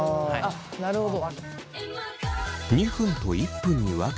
なるほど。